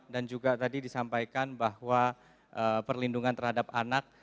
dan juga tadi disampaikan bahwa perlindungan terhadap anak